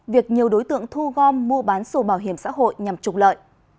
việc nhiều đối tượng thu gom mua bán sổ bảo hiểm xã hội nhằm trục lợi